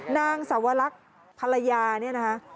นางสวรรคภรรยานี่นะคะ